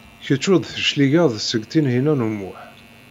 Kecc ur d-tecliged seg Tinhinan u Muḥ.